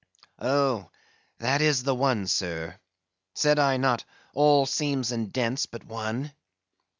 "Oh! that is the one, sir! Said I not all seams and dents but one?"